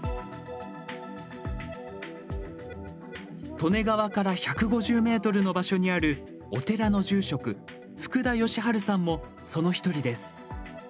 利根川から１５０ｍの場所にあるお寺の住職・福田吉晴さんもその１人です。